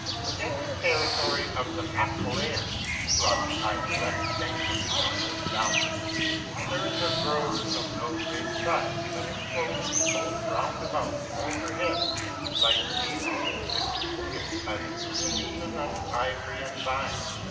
In the territory of the Machlaeans, who occupy the left bank of the Indus right down to the sea, there is a grove, of no great size, but enclosed both round about and overhead, light being almost excluded by the profusion of ivy and vine.